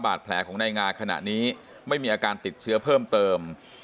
แผลของนายงาขณะนี้ไม่มีอาการติดเชื้อเพิ่มเติม